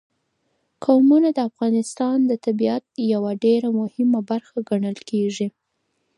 قومونه د افغانستان د طبیعت یوه ډېره مهمه برخه ګڼل کېږي.